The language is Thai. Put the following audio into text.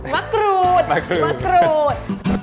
มะกรูด